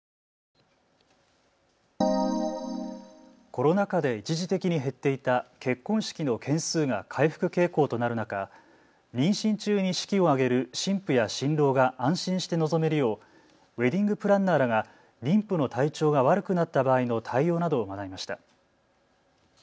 コロナ禍で一時的に減っていた結婚式の件数が回復傾向となる中、妊娠中に式を挙げる新婦や新郎が安心して臨めるようウエディングプランナーが妊婦の体調が悪くなった場合の対応などを学びました。